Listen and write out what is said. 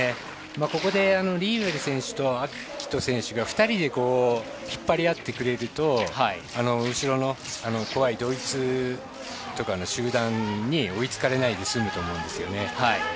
ここでリーベル選手と暁斗選手が２人で引っ張り合ってくれると後ろの怖いドイツとかの集団に追いつかれないですむと思うんですよね。